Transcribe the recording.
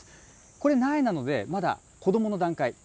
これ、苗なのでまだ子どもの段階。